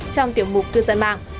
trong tiểu mục cư dân mạng